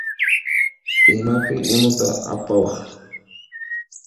Imapin unuta apawaq?